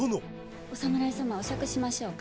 お侍様お酌しましょうか。